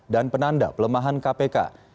dan penanda pelemahan kpk